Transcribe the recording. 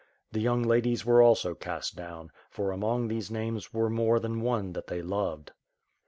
The young ladies were also cast down, for among these names were more than one that they loved.